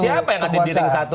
siapa yang ada di ring satu